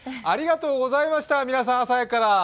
ありがとうございました、皆さん、朝早くから。